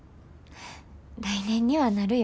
来年にはなるよ。